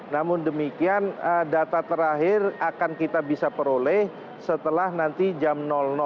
namun demikian data terakhir akan kita bisa peroleh setelah nanti jam